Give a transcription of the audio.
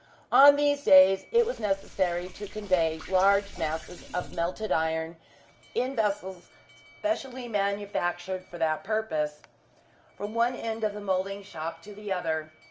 On these days it was necessary to convey large masses of melted iron, in vessels specially manufactured for that purpose, from one end of the moulding shop to the other.